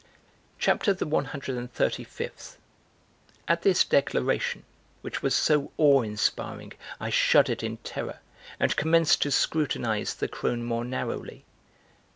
CHAPTER THE ONE HUNDRED AND THIRTY FIFTH. At this declaration, which was so awe inspiring, I shuddered in terror, and commenced to scrutinize the crone more narrowly.